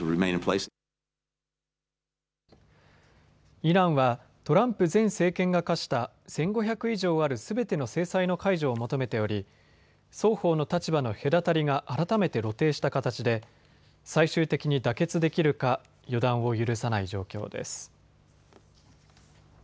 イランはトランプ前政権が科した１５００以上あるすべての制裁の解除を求めており双方の立場の隔たりが改めて露呈した形で最終的に妥結できるか予断を許さない状況です。